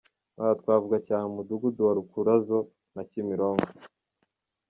Aha twavuga cyane Umudugudu wa Rukurazo na Kimironko.